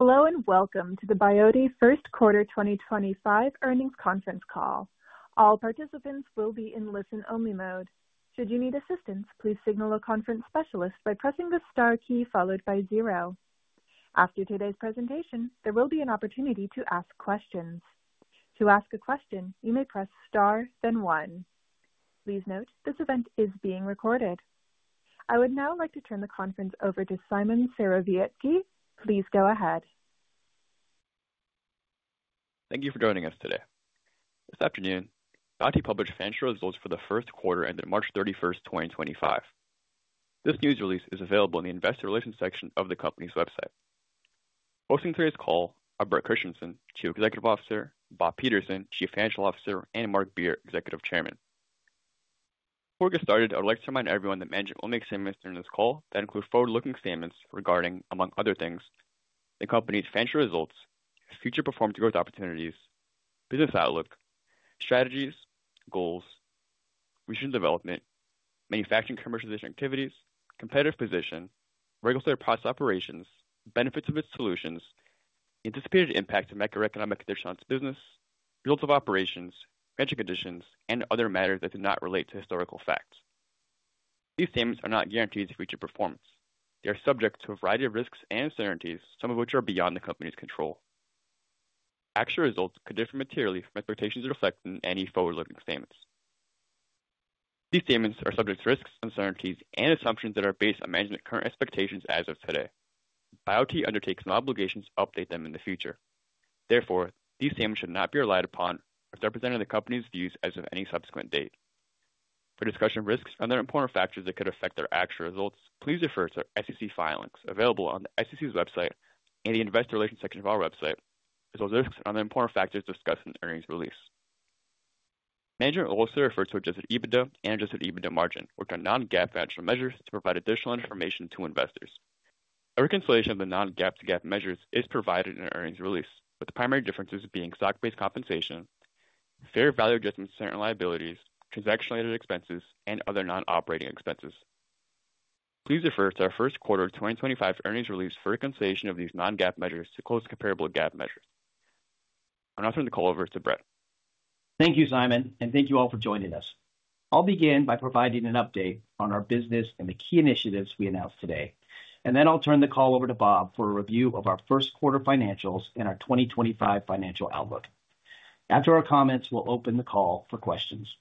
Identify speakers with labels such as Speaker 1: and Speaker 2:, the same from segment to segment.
Speaker 1: Hello and welcome to the Biote first quarter 2025 earnings conference call. All participants will be in listen-only mode. Should you need assistance, please signal a conference specialist by pressing the star key followed by zero. After today's presentation, there will be an opportunity to ask questions. To ask a question, you may press star, then one. Please note this event is being recorded. I would now like to turn the conference over to Szymon Serowiecki. Please go ahead.
Speaker 2: Thank you for joining us today. This afternoon, Biote published financial results for the first quarter ended March 31, 2025. This news release is available in the investor relations section of the company's website. Hosting today's call are Bret Christensen, Chief Executive Officer; Bob Peterson, Chief Financial Officer; and Mark Beer, Executive Chairman. Before we get started, I would like to remind everyone that management will make statements during this call that include forward-looking statements regarding, among other things, the company's financial results, future performance, growth opportunities, business outlook, strategies, goals, recent development, manufacturing commercialization activities, competitive position, regulatory process operations, benefits of its solutions, anticipated impact to macroeconomic conditions on its business, results of operations, financial conditions, and other matters that do not relate to historical facts. These statements are not guarantees of future performance. They are subject to a variety of risks and certainties, some of which are beyond the company's control. Actual results could differ materially from expectations reflected in any forward-looking statements. These statements are subject to risks, uncertainties, and assumptions that are based on management's current expectations as of today. Biote undertakes no obligations to update them in the future. Therefore, these statements should not be relied upon as representing the company's views as of any subsequent date. For discussion of risks and other important factors that could affect their actual results, please refer to our SEC filings available on the SEC's website and the investor relations section of our website, as well as risks and other important factors discussed in the earnings release. Management will also refer to adjusted EBITDA and adjusted EBITDA margin, which are non-GAAP financial measures to provide additional information to investors. A reconciliation of the non-GAAP to GAAP measures is provided in an earnings release, with the primary differences being stock-based compensation, fair value adjustment to certain liabilities, transactional expenses, and other non-operating expenses. Please refer to our first quarter 2025 earnings release for reconciliation of these non-GAAP measures to close comparable GAAP measures. I'm now turning the call over to Bret.
Speaker 3: Thank you, Simon, and thank you all for joining us. I'll begin by providing an update on our business and the key initiatives we announced today, and then I'll turn the call over to Bob for a review of our first quarter financials and our 2025 financial outlook. After our comments, we'll open the call for questions.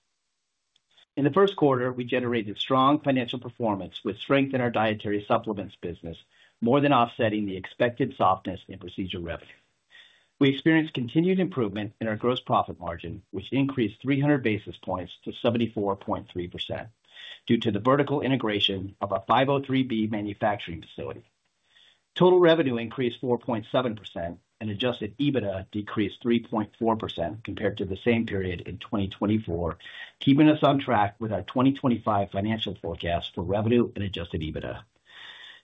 Speaker 3: In the first quarter, we generated strong financial performance with strength in our dietary supplements business, more than offsetting the expected softness in procedure revenue. We experienced continued improvement in our gross profit margin, which increased 300 basis points to 74.3% due to the vertical integration of a 503(b) manufacturing facility. Total revenue increased 4.7%, and adjusted EBITDA decreased 3.4% compared to the same period in 2024, keeping us on track with our 2025 financial forecast for revenue and adjusted EBITDA.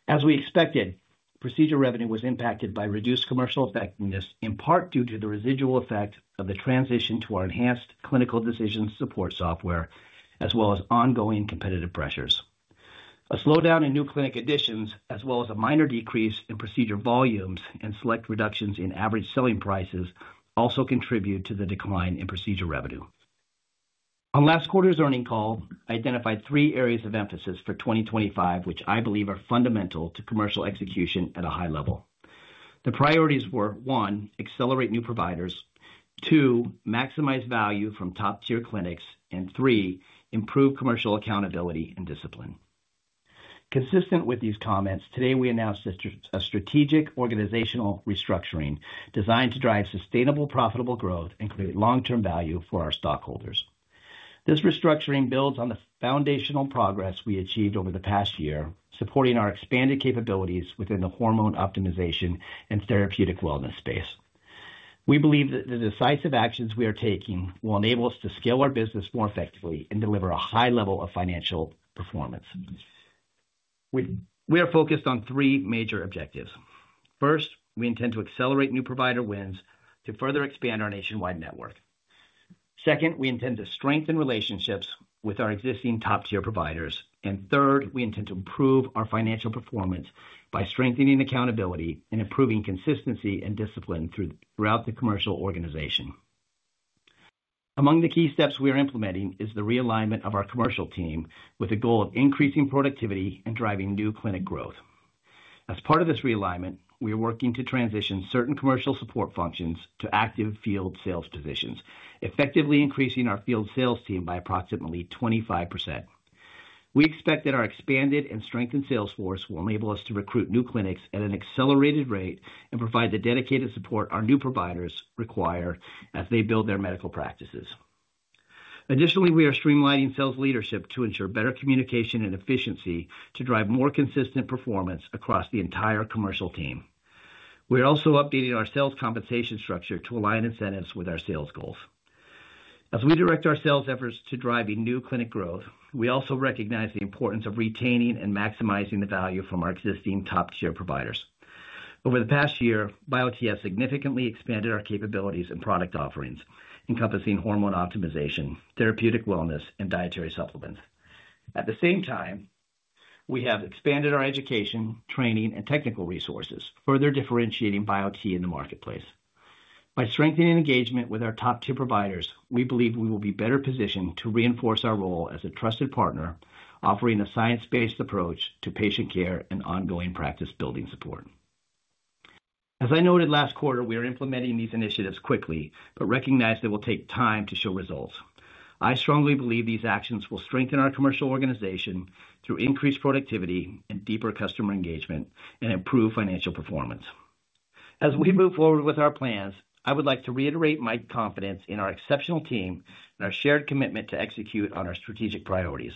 Speaker 3: As we expected, procedure revenue was impacted by reduced commercial effectiveness, in part due to the residual effect of the transition to our enhanced Clinical Decision Support Software, as well as ongoing competitive pressures. A slowdown in new clinic additions, as well as a minor decrease in procedure volumes and select reductions in average selling prices, also contribute to the decline in procedure revenue. On last quarter's earnings call, I identified three areas of emphasis for 2025, which I believe are fundamental to commercial execution at a high level. The priorities were: one, accelerate new providers; two, maximize value from top-tier clinics; and three, improve commercial accountability and discipline. Consistent with these comments, today we announced a strategic organizational restructuring designed to drive sustainable, profitable growth and create long-term value for our stockholders. This restructuring builds on the foundational progress we achieved over the past year, supporting our expanded capabilities within the hormone optimization and therapeutic wellness space. We believe that the decisive actions we are taking will enable us to scale our business more effectively and deliver a high level of financial performance. We are focused on three major objectives. First, we intend to accelerate new provider wins to further expand our nationwide network. Second, we intend to strengthen relationships with our existing top-tier providers. Third, we intend to improve our financial performance by strengthening accountability and improving consistency and discipline throughout the commercial organization. Among the key steps we are implementing is the realignment of our commercial team with a goal of increasing productivity and driving new clinic growth. As part of this realignment, we are working to transition certain commercial support functions to active field sales positions, effectively increasing our field sales team by approximately 25%. We expect that our expanded and strengthened sales force will enable us to recruit new clinics at an accelerated rate and provide the dedicated support our new providers require as they build their medical practices. Additionally, we are streamlining sales leadership to ensure better communication and efficiency to drive more consistent performance across the entire commercial team. We are also updating our sales compensation structure to align incentives with our sales goals. As we direct our sales efforts to drive new clinic growth, we also recognize the importance of retaining and maximizing the value from our existing top-tier providers. Over the past year, Biote has significantly expanded our capabilities and product offerings, encompassing hormone optimization, therapeutic wellness, and dietary supplements. At the same time, we have expanded our education, training, and technical resources, further differentiating Biote in the marketplace. By strengthening engagement with our top-tier providers, we believe we will be better positioned to reinforce our role as a trusted partner, offering a science-based approach to patient care and ongoing practice-building support. As I noted last quarter, we are implementing these initiatives quickly, but recognize that it will take time to show results. I strongly believe these actions will strengthen our commercial organization through increased productivity and deeper customer engagement and improved financial performance. As we move forward with our plans, I would like to reiterate my confidence in our exceptional team and our shared commitment to execute on our strategic priorities.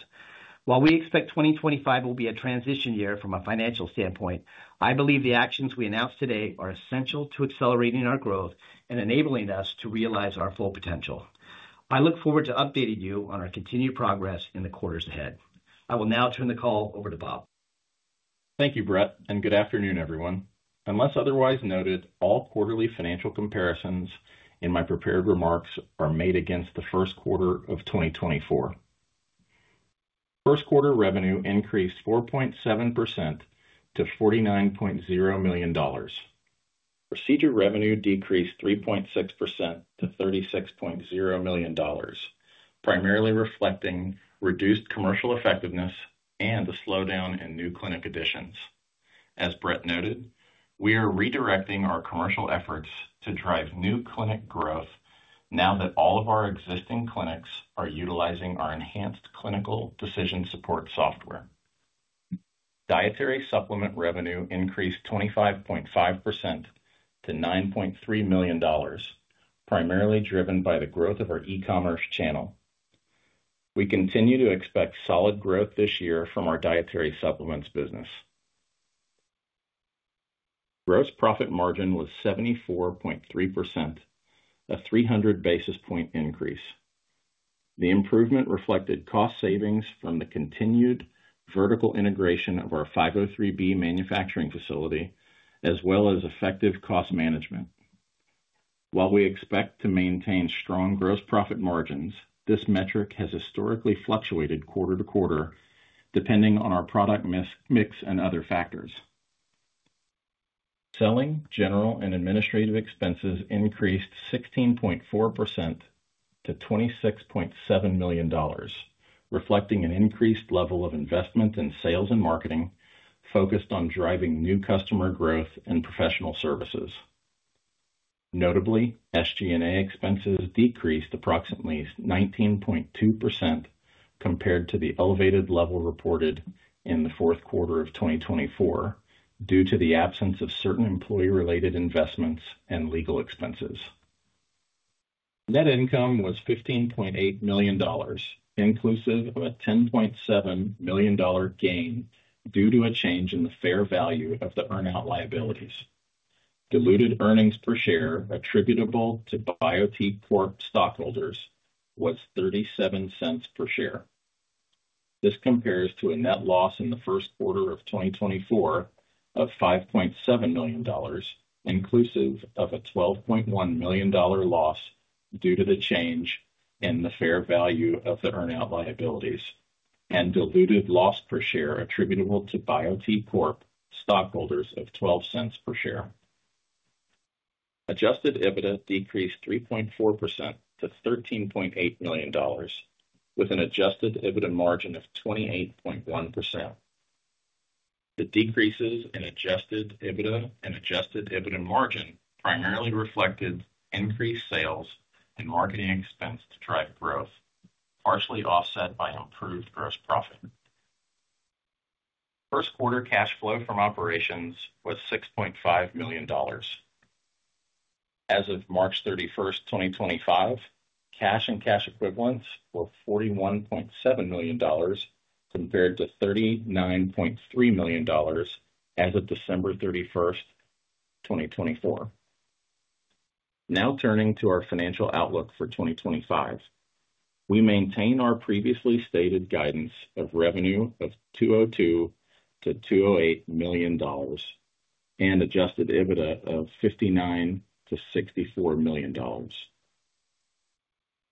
Speaker 3: While we expect 2025 will be a transition year from a financial standpoint, I believe the actions we announced today are essential to accelerating our growth and enabling us to realize our full potential. I look forward to updating you on our continued progress in the quarters ahead. I will now turn the call over to Bob.
Speaker 4: Thank you, Bret, and good afternoon, everyone. Unless otherwise noted, all quarterly financial comparisons in my prepared remarks are made against the first quarter of 2024. First quarter revenue increased 4.7% to $49.0 million. Procedure revenue decreased 3.6% to $36.0 million, primarily reflecting reduced commercial effectiveness and the slowdown in new clinic additions. As Bret noted, we are redirecting our commercial efforts to drive new clinic growth now that all of our existing clinics are utilizing our enhanced clinical decision support software. Dietary supplement revenue increased 25.5% to $9.3 million, primarily driven by the growth of our e-commerce channel. We continue to expect solid growth this year from our dietary supplements business. Gross profit margin was 74.3%, a 300 basis point increase. The improvement reflected cost savings from the continued vertical integration of our 503(b) manufacturing facility, as well as effective cost management. While we expect to maintain strong gross profit margins, this metric has historically fluctuated quarter to quarter, depending on our product mix and other factors. Selling, general, and administrative expenses increased 16.4% to $26.7 million, reflecting an increased level of investment in sales and marketing focused on driving new customer growth and professional services. Notably, SG&A expenses decreased approximately 19.2% compared to the elevated level reported in the fourth quarter of 2024 due to the absence of certain employee-related investments and legal expenses. Net income was $15.8 million, inclusive of a $10.7 million gain due to a change in the fair value of the earn-out liabilities. Diluted earnings per share attributable to Biote stockholders was $0.37 per share. This compares to a net loss in the first quarter of 2024 of $5.7 million, inclusive of a $12.1 million loss due to the change in the fair value of the earn-out liabilities and diluted loss per share attributable to Biote stockholders of $0.12 per share. Adjusted EBITDA decreased 3.4% to $13.8 million, with an adjusted EBITDA margin of 28.1%. The decreases in adjusted EBITDA and adjusted EBITDA margin primarily reflected increased sales and marketing expense to drive growth, partially offset by improved gross profit. First quarter cash flow from operations was $6.5 million. As of March 31, 2025, cash and cash equivalents were $41.7 million compared to $39.3 million as of December 31, 2024. Now turning to our financial outlook for 2025, we maintain our previously stated guidance of revenue of $202 million-$208 million and adjusted EBITDA of $59 million-$64 million.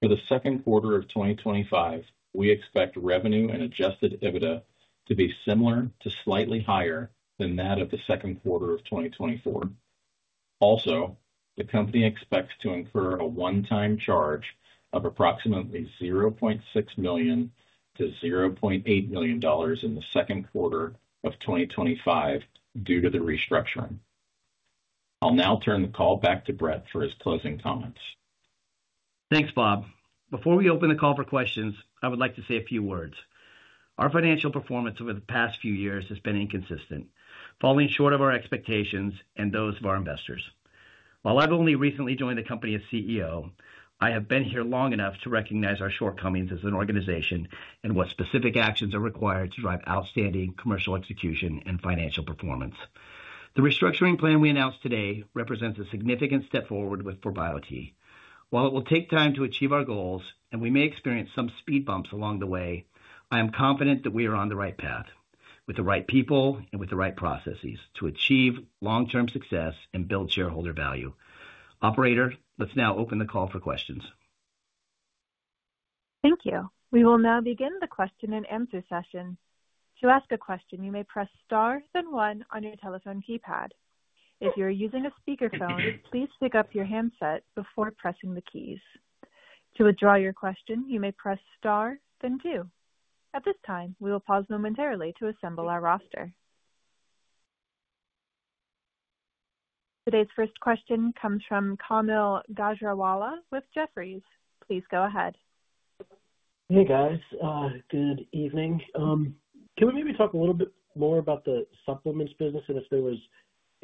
Speaker 4: For the second quarter of 2025, we expect revenue and adjusted EBITDA to be similar to slightly higher than that of the second quarter of 2024. Also, the company expects to incur a one-time charge of approximately $0.6 million-$0.8 million in the second quarter of 2025 due to the restructuring. I'll now turn the call back to Bret for his closing comments.
Speaker 3: Thanks, Bob. Before we open the call for questions, I would like to say a few words. Our financial performance over the past few years has been inconsistent, falling short of our expectations and those of our investors. While I've only recently joined the company as CEO, I have been here long enough to recognize our shortcomings as an organization and what specific actions are required to drive outstanding commercial execution and financial performance. The restructuring plan we announced today represents a significant step forward for Biote. While it will take time to achieve our goals, and we may experience some speed bumps along the way, I am confident that we are on the right path with the right people and with the right processes to achieve long-term success and build shareholder value. Operator, let's now open the call for questions.
Speaker 1: Thank you. We will now begin the question and answer session. To ask a question, you may press star then one on your telephone keypad. If you are using a speakerphone, please pick up your handset before pressing the keys. To withdraw your question, you may press star then two. At this time, we will pause momentarily to assemble our roster. Today's first question comes from Kaumil Gajrawala with Jefferies. Please go ahead.
Speaker 5: Hey, guys. Good evening. Can we maybe talk a little bit more about the supplements business and if there was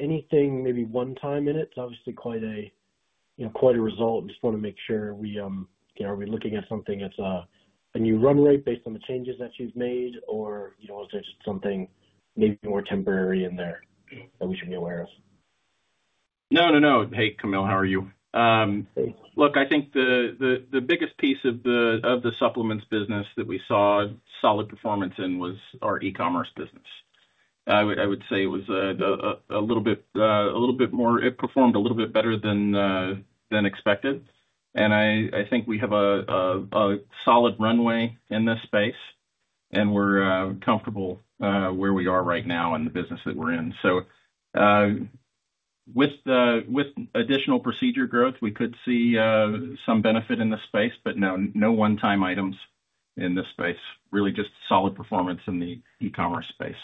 Speaker 5: anything maybe one-time in it? It's obviously quite a result. I just want to make sure we are we looking at something that's a new run rate based on the changes that you've made, or is there just something maybe more temporary in there that we should be aware of?
Speaker 4: No, no. Hey, Kaumil, how are you? Look, I think the biggest piece of the supplements business that we saw solid performance in was our e-commerce business. I would say it was a little bit more, it performed a little bit better than expected. I think we have a solid runway in this space, and we're comfortable where we are right now in the business that we're in. With additional procedure growth, we could see some benefit in this space, but no one-time items in this space. Really just solid performance in the e-commerce space.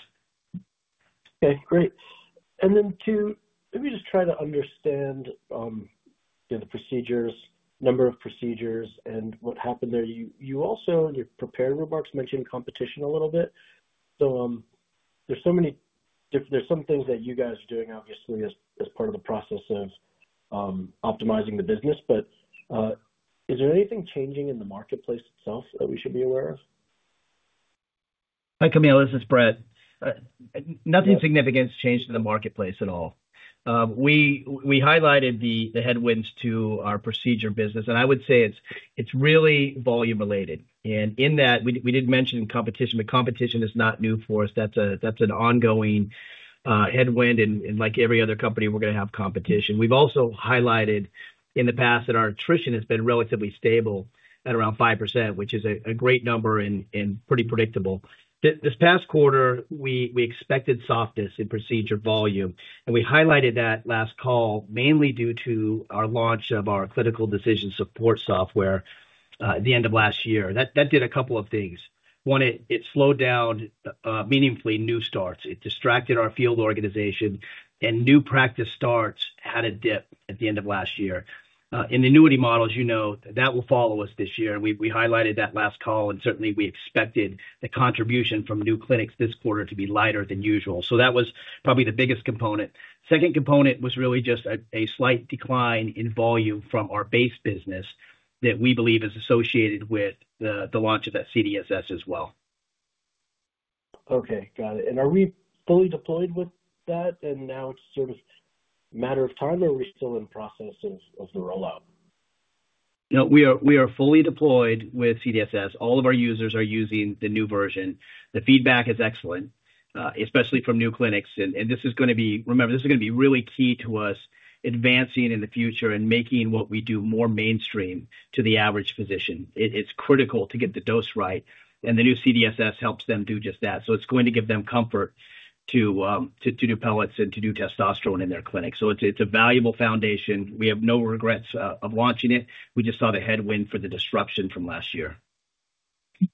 Speaker 5: Okay, great. To maybe just try to understand the procedures, number of procedures, and what happened there. You also, in your prepared remarks, mentioned competition a little bit. There are some things that you guys are doing, obviously, as part of the process of optimizing the business, but is there anything changing in the marketplace itself that we should be aware of?
Speaker 3: Hi, Kamil. This is Bret. Nothing significant has changed in the marketplace at all. We highlighted the headwinds to our procedure business, and I would say it's really volume-related. In that, we didn't mention competition, but competition is not new for us. That's an ongoing headwind, and like every other company, we're going to have competition. We've also highlighted in the past that our attrition has been relatively stable at around 5%, which is a great number and pretty predictable. This past quarter, we expected softness in procedure volume, and we highlighted that last call mainly due to our launch of our clinical decision support software at the end of last year. That did a couple of things. One, it slowed down meaningfully new starts. It distracted our field organization, and new practice starts had a dip at the end of last year. In the annuity models, you know that will follow us this year. We highlighted that last call, and certainly, we expected the contribution from new clinics this quarter to be lighter than usual. That was probably the biggest component. The second component was really just a slight decline in volume from our base business that we believe is associated with the launch of that CDSS as well.
Speaker 5: Okay, got it. Are we fully deployed with that, and now it's sort of a matter of time, or are we still in the process of the rollout?
Speaker 3: No, we are fully deployed with CDSS. All of our users are using the new version. The feedback is excellent, especially from new clinics. This is going to be, remember, this is going to be really key to us advancing in the future and making what we do more mainstream to the average physician. It's critical to get the dose right, and the new CDSS helps them do just that. It is going to give them comfort to do pellets and to do testosterone in their clinic. It is a valuable foundation. We have no regrets of launching it. We just saw the headwind for the disruption from last year.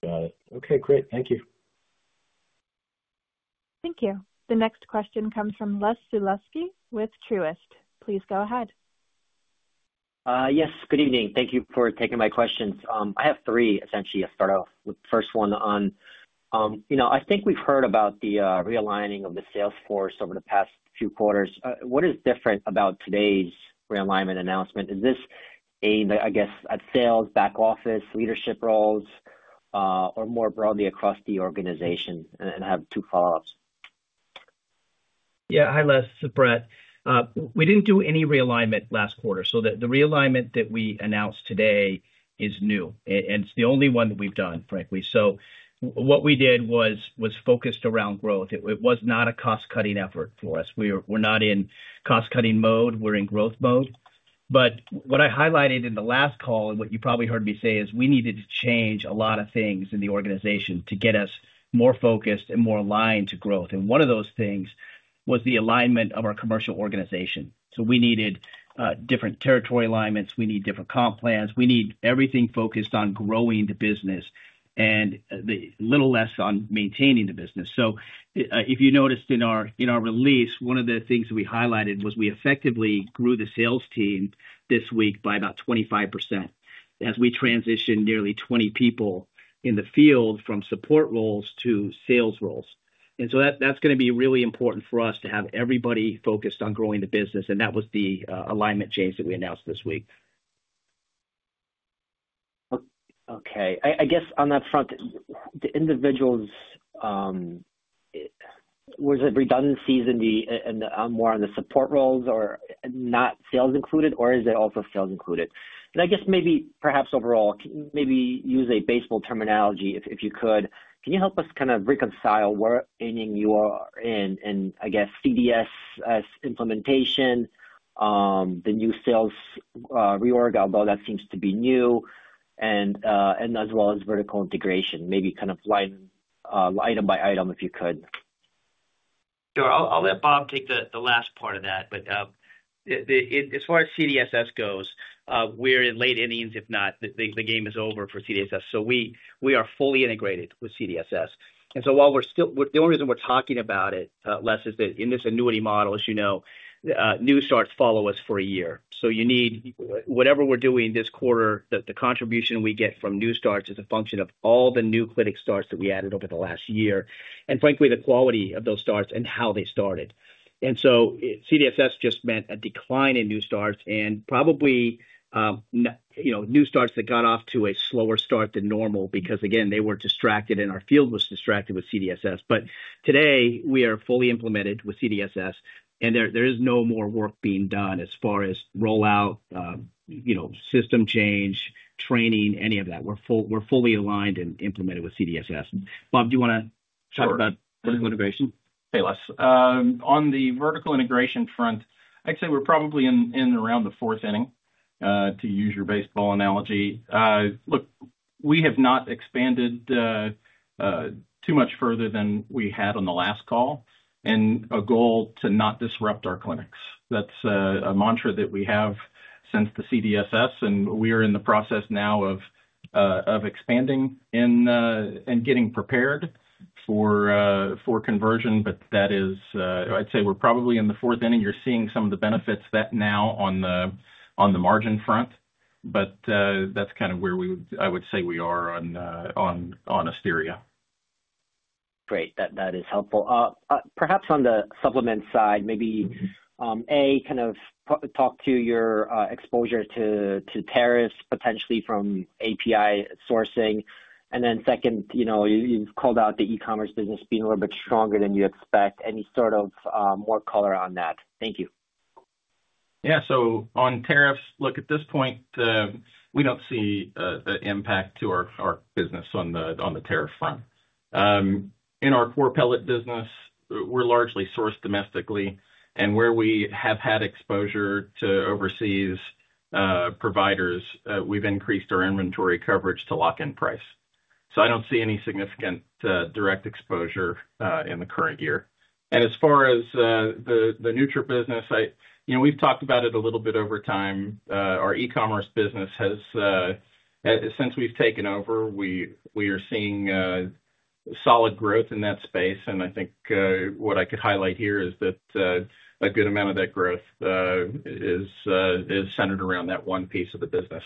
Speaker 5: Got it. Okay, great. Thank you.
Speaker 1: Thank you. The next question comes from Les Sulewski with Truist. Please go ahead.
Speaker 6: Yes, good evening. Thank you for taking my questions. I have three, essentially, to start off with. First one on I think we've heard about the realigning of the sales force over the past few quarters. What is different about today's realignment announcement? Is this aimed, I guess, at sales, back office, leadership roles, or more broadly across the organization? I have two follow-ups.
Speaker 3: Yeah. Hi, Les. This is Bret. We did not do any realignment last quarter. The realignment that we announced today is new, and it is the only one that we have done, frankly. What we did was focused around growth. It was not a cost-cutting effort for us. We are not in cost-cutting mode. We are in growth mode. What I highlighted in the last call, and what you probably heard me say, is we needed to change a lot of things in the organization to get us more focused and more aligned to growth. One of those things was the alignment of our commercial organization. We needed different territory alignments. We need different comp plans. We need everything focused on growing the business and a little less on maintaining the business. If you noticed in our release, one of the things that we highlighted was we effectively grew the sales team this week by about 25% as we transitioned nearly 20 people in the field from support roles to sales roles. That is going to be really important for us to have everybody focused on growing the business. That was the alignment change that we announced this week.
Speaker 6: Okay. I guess on that front, the individuals, was it redundancies more on the support roles or not sales included, or is it also sales included? I guess maybe perhaps overall, maybe use a baseball terminology if you could. Can you help us kind of reconcile where you are in, I guess, CDSS implementation, the new sales reorg, although that seems to be new, and as well as vertical integration, maybe kind of item by item if you could?
Speaker 3: Sure. I'll let Bob take the last part of that. As far as CDSS goes, we're in late innings, if not, the game is over for CDSS. We are fully integrated with CDSS. The only reason we're talking about it, Les, is that in this annuity model, as you know, new starts follow us for a year. Whatever we're doing this quarter, the contribution we get from new starts is a function of all the new clinic starts that we added over the last year, and frankly, the quality of those starts and how they started. CDSS just meant a decline in new starts and probably new starts that got off to a slower start than normal because, again, they were distracted, and our field was distracted with CDSS. Today, we are fully implemented with CDSS, and there is no more work being done as far as rollout, system change, training, any of that. We're fully aligned and implemented with CDSS. Bob, do you want to talk about vertical integration?
Speaker 4: Hey, Les. On the vertical integration front, I'd say we're probably in around the fourth inning, to use your baseball analogy. Look, we have not expanded too much further than we had on the last call and a goal to not disrupt our clinics. That's a mantra that we have since the CDSS, and we are in the process now of expanding and getting prepared for conversion. That is, I'd say we're probably in the fourth inning. You're seeing some of the benefits now on the margin front, but that's kind of where I would say we are on Asteria.
Speaker 6: Great. That is helpful. Perhaps on the supplements side, maybe A, kind of talk to your exposure to tariffs potentially from API sourcing. Then second, you've called out the e-commerce business being a little bit stronger than you expect. Any sort of more color on that? Thank you.
Speaker 4: Yeah. On tariffs, look, at this point, we do not see an impact to our business on the tariff front. In our core pellet business, we are largely sourced domestically. Where we have had exposure to overseas providers, we have increased our inventory coverage to lock in price. I do not see any significant direct exposure in the current year. As far as the nutrient business, we have talked about it a little bit over time. Our e-commerce business, since we have taken over, we are seeing solid growth in that space. What I could highlight here is that a good amount of that growth is centered around that one piece of the business.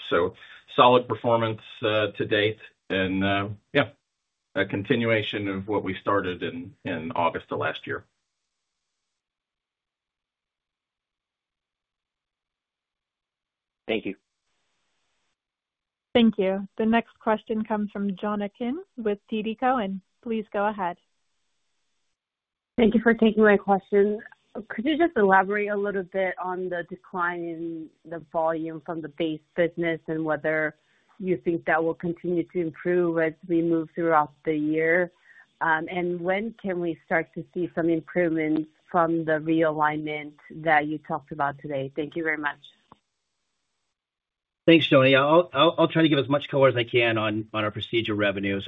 Speaker 4: Solid performance to date, and yeah, a continuation of what we started in August of last year.
Speaker 6: Thank you.
Speaker 1: Thank you. The next question comes from Jonna Kim with TD Cowen. Please go ahead.
Speaker 7: Thank you for taking my question. Could you just elaborate a little bit on the decline in the volume from the base business and whether you think that will continue to improve as we move throughout the year? When can we start to see some improvements from the realignment that you talked about today? Thank you very much.
Speaker 3: Thanks, Jonna. I'll try to give as much color as I can on our procedure revenue.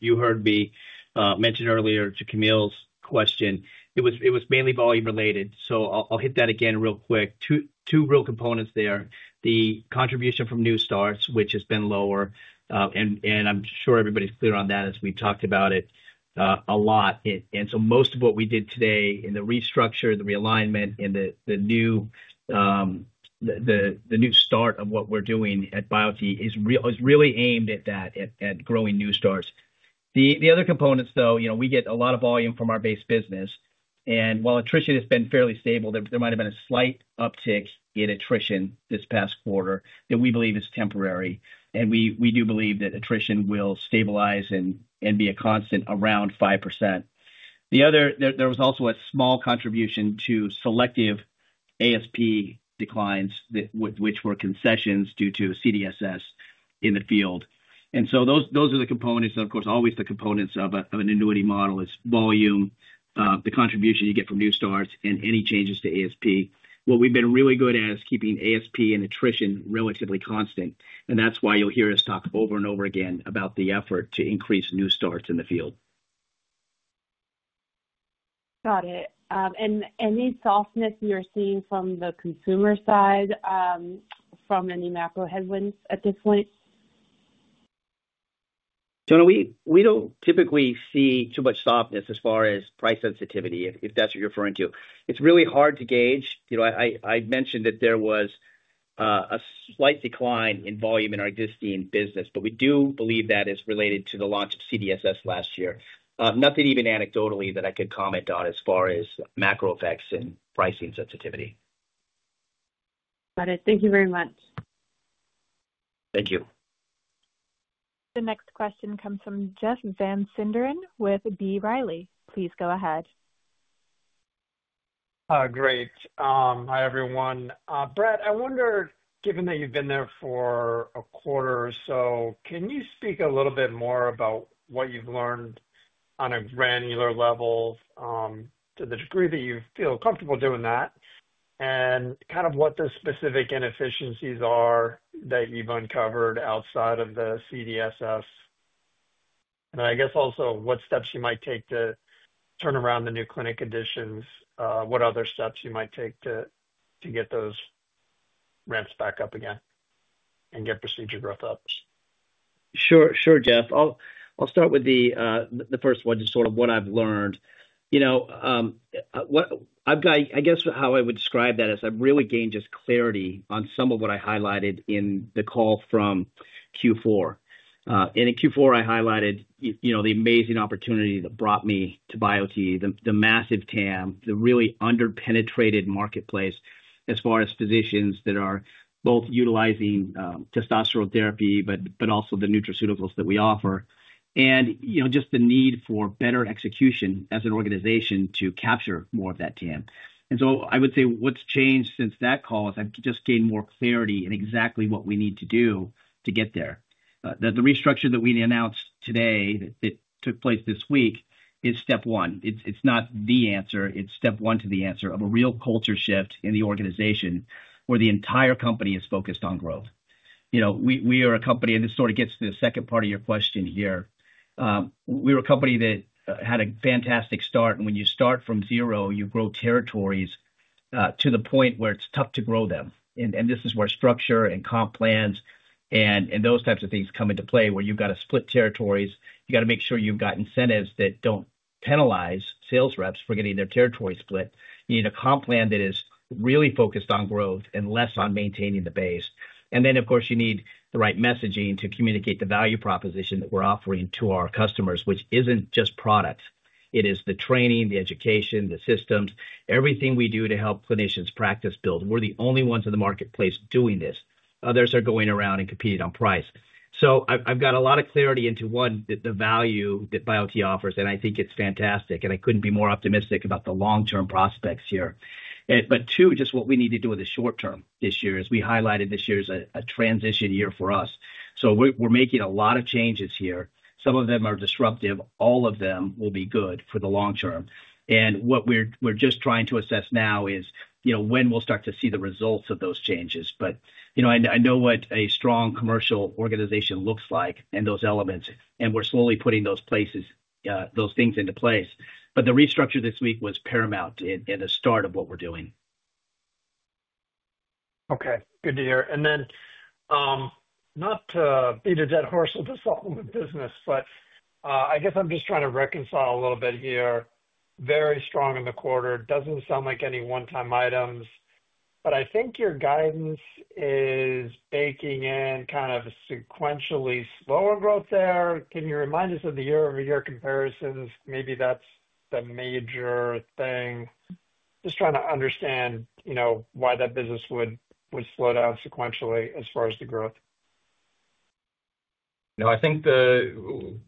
Speaker 3: You heard me mention earlier to Kaumil's question. It was mainly volume-related. I'll hit that again real quick. Two real components there: the contribution from new starts, which has been lower, and I'm sure everybody's clear on that as we've talked about it a lot. Most of what we did today in the restructure, the realignment, and the new start of what we're doing at Biote is really aimed at that, at growing new starts. The other components, though, we get a lot of volume from our base business. While attrition has been fairly stable, there might have been a slight uptick in attrition this past quarter that we believe is temporary. We do believe that attrition will stabilize and be a constant around 5%. There was also a small contribution to selective ASP declines, which were concessions due to CDSS in the field. Those are the components. Of course, always the components of an annuity model is volume, the contribution you get from new starts, and any changes to ASP. What we've been really good at is keeping ASP and attrition relatively constant. That's why you'll hear us talk over and over again about the effort to increase new starts in the field.
Speaker 7: Got it. Any softness you're seeing from the consumer side from any macro headwinds at this point?
Speaker 3: Jonna, we don't typically see too much softness as far as price sensitivity, if that's what you're referring to. It's really hard to gauge. I mentioned that there was a slight decline in volume in our existing business, but we do believe that is related to the launch of CDSS last year. Nothing even anecdotally that I could comment on as far as macro effects and pricing sensitivity.
Speaker 7: Got it. Thank you very much.
Speaker 3: Thank you.
Speaker 1: The next question comes from Jeff Van Sinderen with B. Riley. Please go ahead.
Speaker 8: Great. Hi, everyone. Bret, I wonder, given that you've been there for a quarter or so, can you speak a little bit more about what you've learned on a granular level to the degree that you feel comfortable doing that and kind of what the specific inefficiencies are that you've uncovered outside of the CDSS? I guess also what steps you might take to turn around the new clinic additions, what other steps you might take to get those rents back up again and get procedure growth up.
Speaker 3: Sure, sure, Jeff. I'll start with the first one, just sort of what I've learned. I guess how I would describe that is I've really gained just clarity on some of what I highlighted in the call from Q4. In Q4, I highlighted the amazing opportunity that brought me to Biote, the massive TAM, the really underpenetrated marketplace as far as physicians that are both utilizing testosterone therapy, but also the nutraceuticals that we offer, and just the need for better execution as an organization to capture more of that TAM. I would say what's changed since that call is I've just gained more clarity in exactly what we need to do to get there. The restructure that we announced today that took place this week is step one. It's not the answer. It's step one to the answer of a real culture shift in the organization where the entire company is focused on growth. We are a company, and this sort of gets to the second part of your question here. We were a company that had a fantastic start. When you start from zero, you grow territories to the point where it's tough to grow them. This is where structure and comp plans and those types of things come into play where you've got to split territories. You've got to make sure you've got incentives that don't penalize sales reps for getting their territory split. You need a comp plan that is really focused on growth and less on maintaining the base. Of course, you need the right messaging to communicate the value proposition that we're offering to our customers, which isn't just products. It is the training, the education, the systems, everything we do to help clinicians practice build. We're the only ones in the marketplace doing this. Others are going around and competing on price. So I've got a lot of clarity into one, the value that Biote offers, and I think it's fantastic. I couldn't be more optimistic about the long-term prospects here. Two, just what we need to do in the short term this year is we highlighted this year is a transition year for us. We're making a lot of changes here. Some of them are disruptive. All of them will be good for the long term. What we're just trying to assess now is when we'll start to see the results of those changes. I know what a strong commercial organization looks like and those elements, and we're slowly putting those things into place. The restructure this week was paramount in the start of what we're doing.
Speaker 8: Okay. Good to hear. Not to beat a dead horse with the supplement business, but I guess I'm just trying to reconcile a little bit here. Very strong in the quarter. Doesn't sound like any one-time items. I think your guidance is baking in kind of sequentially slower growth there. Can you remind us of the year-over-year comparisons? Maybe that's the major thing. Just trying to understand why that business would slow down sequentially as far as the growth.
Speaker 4: No, I think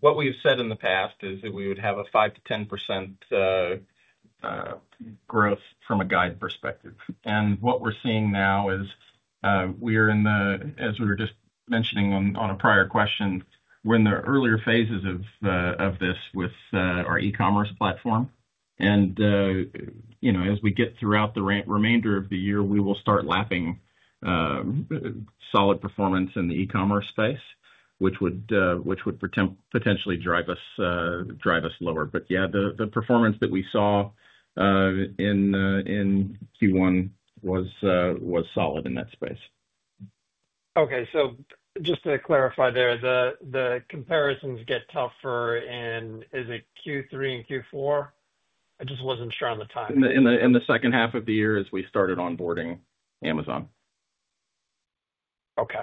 Speaker 4: what we've said in the past is that we would have a 5%-10% growth from a guide perspective. What we're seeing now is we are in the, as we were just mentioning on a prior question, we're in the earlier phases of this with our e-commerce platform. As we get throughout the remainder of the year, we will start lapping solid performance in the e-commerce space, which would potentially drive us lower. Yeah, the performance that we saw in Q1 was solid in that space.
Speaker 8: Okay. So just to clarify there, the comparisons get tougher in, is it Q3 and Q4? I just wasn't sure on the time.
Speaker 4: In the second half of the year as we started onboarding Amazon.
Speaker 8: Okay.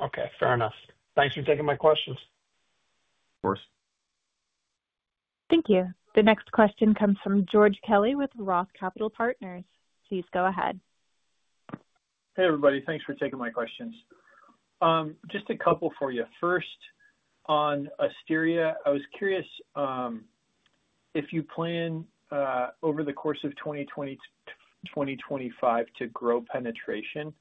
Speaker 8: Okay. Fair enough. Thanks for taking my questions.
Speaker 4: Of course.
Speaker 1: Thank you. The next question comes from George Kelly with Roth Capital Partners. Please go ahead.
Speaker 9: Hey, everybody. Thanks for taking my questions. Just a couple for you. First, on Asteria, I was curious if you plan over the course of 2025 to grow penetration.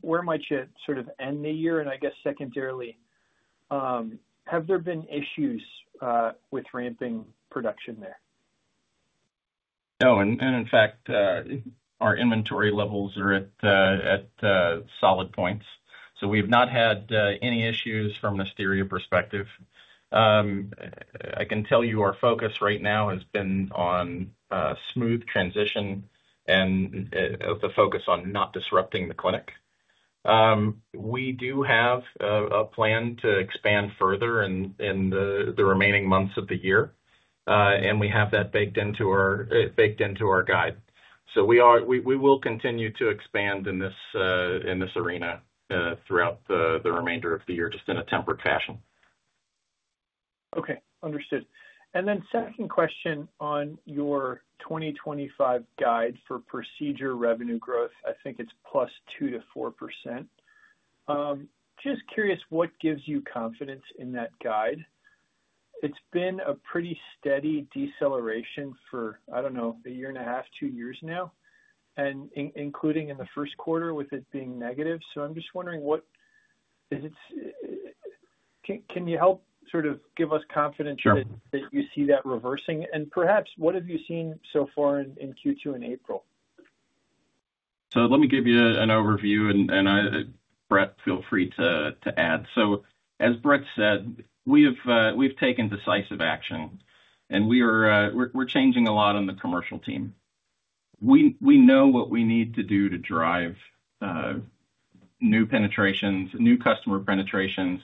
Speaker 9: Where might you sort of end the year? I guess secondarily, have there been issues with ramping production there?
Speaker 4: No. In fact, our inventory levels are at solid points. We have not had any issues from the Asteria perspective. I can tell you our focus right now has been on smooth transition and the focus on not disrupting the clinic. We do have a plan to expand further in the remaining months of the year. We have that baked into our guide. We will continue to expand in this arena throughout the remainder of the year just in a tempered fashion.
Speaker 9: Okay. Understood. And then second question on your 2025 guide for procedure revenue growth, I think it's plus 2%-4%. Just curious what gives you confidence in that guide. It's been a pretty steady deceleration for, I don't know, a year and a half, two years now, including in the first quarter with it being negative. So I'm just wondering what can you help sort of give us confidence that you see that reversing? And perhaps what have you seen so far in Q2 and April?
Speaker 4: Let me give you an overview, and Bret, feel free to add. As Bret said, we've taken decisive action, and we're changing a lot on the commercial team. We know what we need to do to drive new penetrations, new customer penetrations,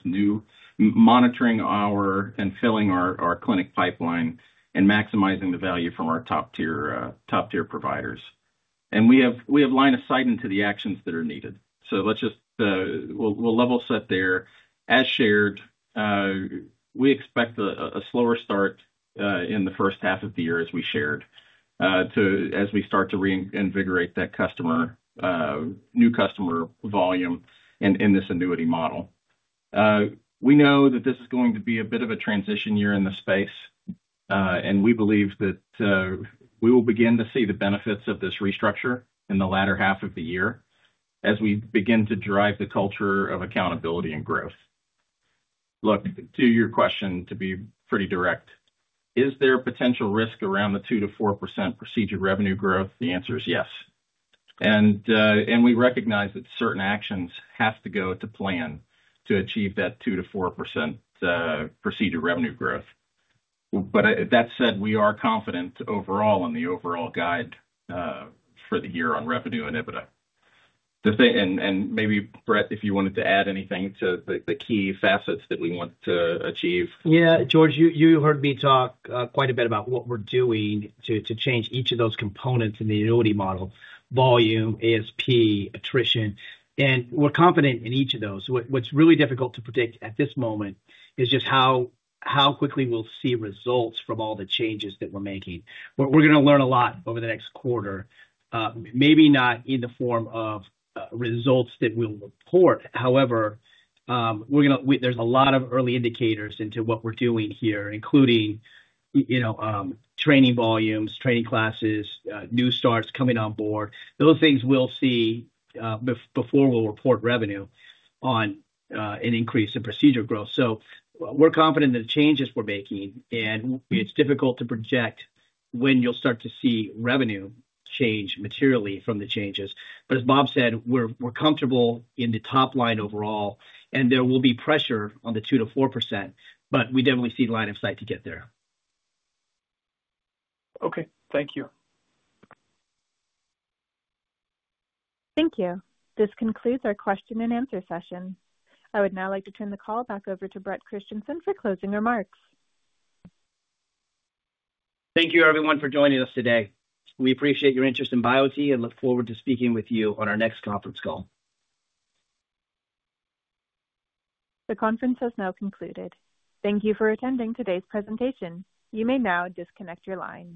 Speaker 4: monitoring our and filling our clinic pipeline, and maximizing the value from our top-tier providers. We have lined a sight into the actions that are needed. We'll level set there. As shared, we expect a slower start in the first half of the year as we shared as we start to reinvigorate that new customer volume in this annuity model. We know that this is going to be a bit of a transition year in the space, and we believe that we will begin to see the benefits of this restructure in the latter half of the year as we begin to drive the culture of accountability and growth. Look, to your question, to be pretty direct, is there potential risk around the 2%-4% procedure revenue growth? The answer is yes. We recognize that certain actions have to go to plan to achieve that 2%-4% procedure revenue growth. That said, we are confident overall in the overall guide for the year on revenue and EBITDA. Maybe, Bret, if you wanted to add anything to the key facets that we want to achieve.
Speaker 3: Yeah, George, you heard me talk quite a bit about what we're doing to change each of those components in the annuity model: volume, ASP, attrition. We're confident in each of those. What's really difficult to predict at this moment is just how quickly we'll see results from all the changes that we're making. We're going to learn a lot over the next quarter, maybe not in the form of results that we'll report. However, there's a lot of early indicators into what we're doing here, including training volumes, training classes, new starts coming on board. Those things we'll see before we'll report revenue on an increase in procedure growth. We're confident in the changes we're making, and it's difficult to project when you'll start to see revenue change materially from the changes. As Bob said, we're comfortable in the top line overall, and there will be pressure on the 2%-4%, but we definitely see the line of sight to get there.
Speaker 9: Okay. Thank you.
Speaker 1: Thank you. This concludes our question and answer session. I would now like to turn the call back over to Bret Christensen for closing remarks.
Speaker 3: Thank you, everyone, for joining us today. We appreciate your interest in Biote and look forward to speaking with you on our next conference call.
Speaker 1: The conference has now concluded. Thank you for attending today's presentation. You may now disconnect your line.